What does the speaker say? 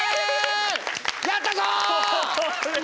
やったぞ！